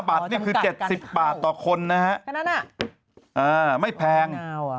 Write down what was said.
บัตรนี่คือ๗๐บาทต่อคนนะฮะไม่แพง